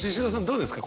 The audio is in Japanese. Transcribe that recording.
どうですか？